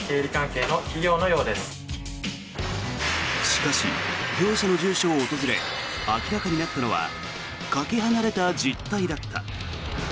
しかし、業者の住所を訪れ明らかになったのはかけ離れた実態だった。